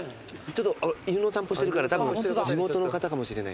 ちょっと犬の散歩してるからたぶん地元の方かもしれない。